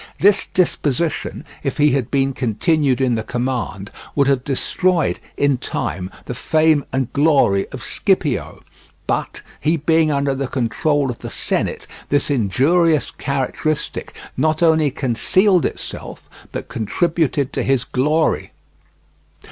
This disposition, if he had been continued in the command, would have destroyed in time the fame and glory of Scipio; but, he being under the control of the Senate, this injurious characteristic not only concealed itself, but contributed to his glory.